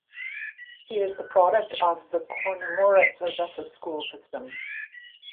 He is the product of the Chornomorets Odesa school system.